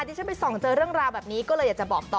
ที่ฉันไปส่องเจอเรื่องราวแบบนี้ก็เลยอยากจะบอกต่อ